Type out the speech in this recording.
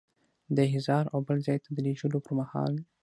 د احضار او بل ځای ته د لیږلو پر مهال.